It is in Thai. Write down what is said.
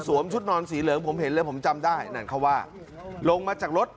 ชุดนอนสีเหลืองผมเห็นเลยผมจำได้นั่นเขาว่าลงมาจากรถ